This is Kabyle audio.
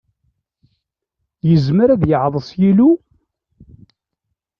Yezmer ad yeɛḍes yilu?